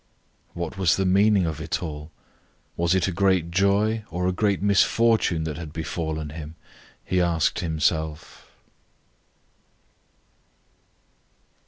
"What was the meaning of it all? Was it a great joy or a great misfortune that had befallen him?" he asked himself.